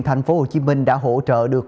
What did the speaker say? thành phố hồ chí minh đã hỗ trợ được